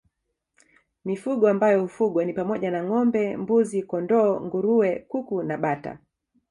Mifugo ambayo hufugwa ni pamoja na ngâombe mbuzi kondoo nguruwe kuku na bata